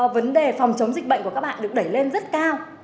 vấn đề phòng chống dịch bệnh của các bạn được đẩy lên rất cao